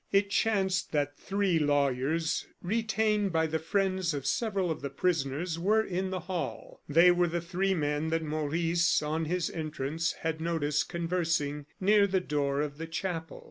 It chanced that three lawyers, retained by the friends of several of the prisoners, were in the hall. They were the three men that Maurice, on his entrance, had noticed conversing near the door of the chapel.